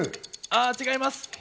あ、違います。